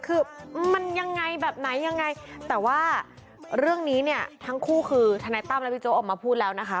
คือมันยังไงแบบไหนยังไงแต่ว่าเรื่องนี้เนี่ยทั้งคู่คือทนายตั้มและบิ๊กโจ๊ออกมาพูดแล้วนะคะ